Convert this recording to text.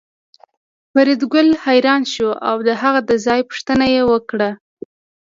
فریدګل حیران شو او د هغه د ځای پوښتنه یې وکړه